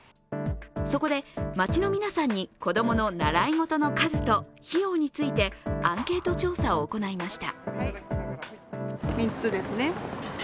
そこで街の皆さんに子供の習い事の数と費用についてアンケート調査を行いました。